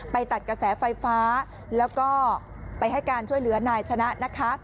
ตัดกระแสไฟฟ้าแล้วก็ไปให้การช่วยเหลือนายชนะนะคะ